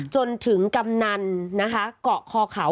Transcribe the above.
จนถึงกำนันนะคะเกาะคอเขา